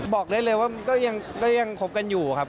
บอกได้เลยว่าก็ยังคบกันอยู่ครับ